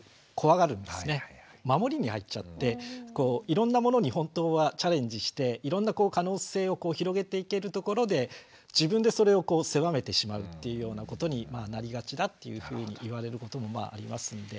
いろんなものに本当はチャレンジしていろんな可能性を広げていけるところで自分でそれを狭めてしまうっていうようなことになりがちだっていうふうに言われることもありますので。